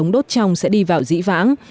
đốt trong sẽ đi vào dĩ vãng